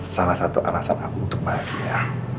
salah satu alasan aku untuk bahagia